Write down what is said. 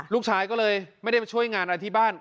ลูกชายก็เลยไม่ได้ไปช่วยงานอะไรที่บ้าน